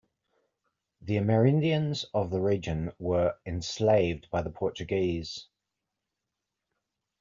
The Amerindians of the region were enslaved by the Portuguese.